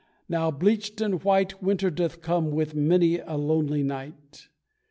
Now bleached and white Winter doth come with many a lonely night.